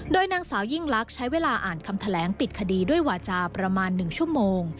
โดยนางสาวยิ่งลักษณ์ใช้เวลาอ่านคำแถลงปิดคดีด้วยวาจาประมาณ๑ชั่วโมง